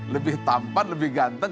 lebih tampan lebih ganteng